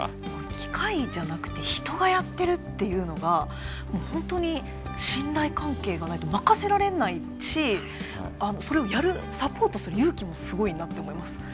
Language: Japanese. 機械じゃなくて人がやってるというのが本当に信頼関係がないと任せられないしそれをサポートする勇気もすごいなって思います。